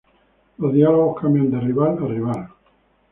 Los diálogos cambian de rival a rival.